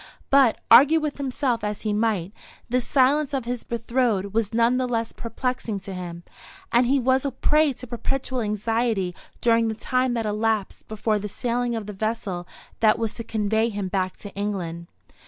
But, argue with himself as he might, this silence of his betrothed was none the less perplexing to him, and he was a prey to perpetual anxiety during the time that elapsed before the sailing of the vessel that was to convey him back to England.